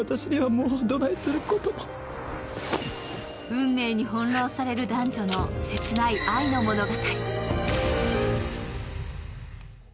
運命に翻弄される男女の切ない愛の物語。